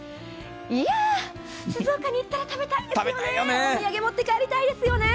いや、静岡に行ったら食べたいですよね、お土産持って帰りたいですよね。